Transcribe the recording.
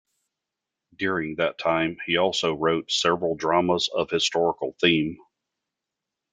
During that time he also wrote several dramas of historical theme.